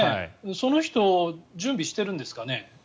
その人、準備してるんですかね。